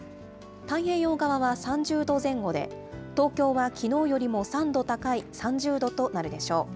太平洋側は３０度前後で、東京はきのうよりも３度高い３０度となるでしょう。